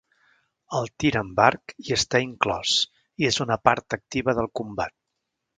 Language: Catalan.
El tir amb arc hi està inclòs i és una part activa del combat.